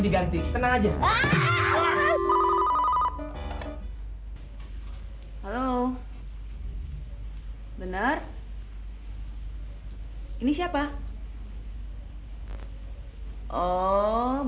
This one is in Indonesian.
mas causeya pak